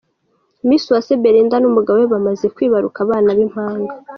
Miss Uwase Belinda n’umugabo we bamaze kwibaruka abana b’impanga.